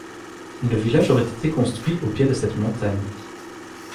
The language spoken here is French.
Le village aurait été construit au pied de cette montagne.